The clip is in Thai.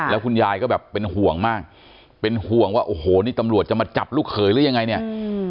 แล้วคุณยายก็แบบเป็นห่วงมากเป็นห่วงว่าโอ้โหนี่ตำรวจจะมาจับลูกเขยหรือยังไงเนี่ย